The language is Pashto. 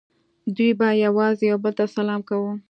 دوی به یوازې یو بل ته سلام کاوه